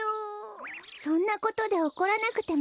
そんなことでおこらなくてもいいじゃない。